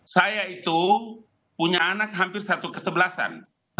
saya itu punya anak hampir satu kesebelasan